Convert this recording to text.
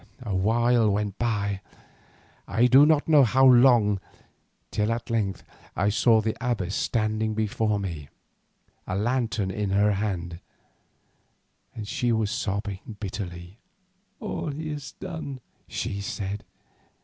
A while went by, I do not know how long, till at length I saw the abbess standing before me, a lantern in her hand, and she was sobbing bitterly. "All is done," she said.